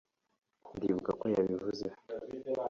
ndibuka ko yabivuze